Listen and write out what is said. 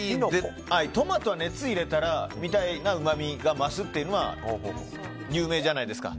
トマトは熱を入れたらうまみが増すというのは有名じゃないですか。